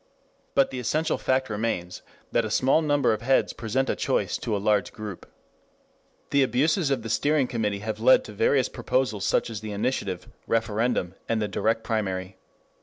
But the essential fact remains that a small number of heads present a choice to a large group. 6 The abuses of the steering committee have led to various proposals such as the initiative, referendum and direct primary.